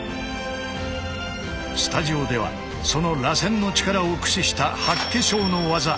スタジオではその螺旋の力を駆使した八卦掌の技